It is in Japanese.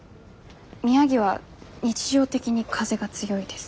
宮城は日常的に風が強いです。